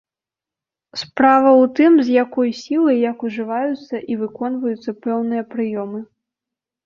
Справа ў тым, з якой сілай, як ужываюцца і выконваюцца пэўныя прыёмы.